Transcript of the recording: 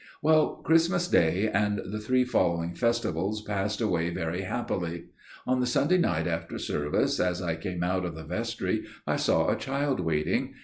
"Well, Christmas Day and the three following festivals passed away very happily. On the Sunday night after service, as I came out of the vestry, I saw a child waiting.